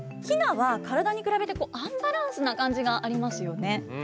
ヒナは体に比べてアンバランスな感じがありますよね。